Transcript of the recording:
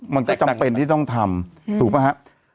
มันก็จำเป็นที่ต้องทำถูกป่ะครับ